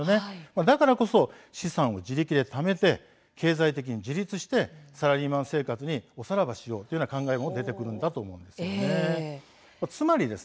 だからこそ資産を自力でためて経済的に自立してサラリーマン生活におさらばしようという考え方も出てくるんだと思います。